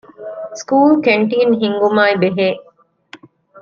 ސްކޫލް ކެންޓީން ހިންގުމާއި ބެހޭ